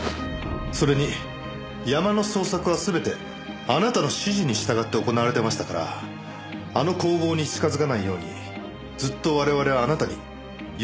それに山の捜索は全てあなたの指示に従って行われていましたからあの工房に近づかないようにずっと我々はあなたに誘導されていたわけです。